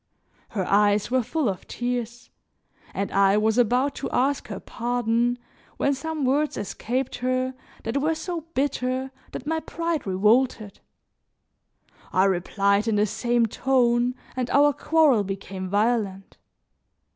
Her eyes were full of tears, and I was about to ask her pardon when some words escaped her that were so bitter that my pride revolted. I replied in the same tone, and our quarrel became violent.